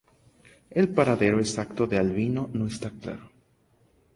El paradero exacto de Albino no está claro.